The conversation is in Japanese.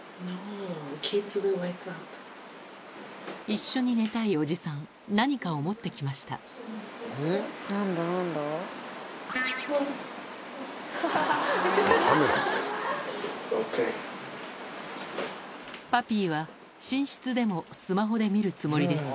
一緒に寝たいおじさん何かを持って来ましたパピーは寝室でもスマホで見るつもりです